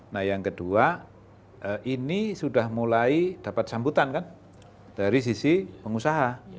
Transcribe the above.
nah yang kedua ini sudah mulai dapat sambutan kan dari sisi pengusaha